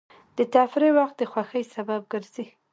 د تفریح وخت د خوښۍ سبب ګرځي.